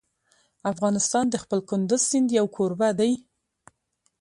افغانستان د خپل کندز سیند یو کوربه دی.